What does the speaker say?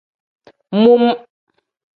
Mum.